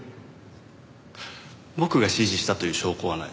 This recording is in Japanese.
僕が指示したという証拠はない。